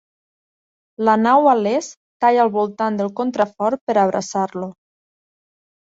La nau a l'est talla al voltant del contrafort per abraçar-lo.